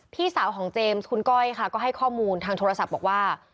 พี่สาวของเจมส์คุณก้อยค่ะก็ให้ข้อมูลทางโทรศัพท์บอกว่า